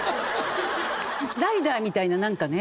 ライダーみたいななんかね。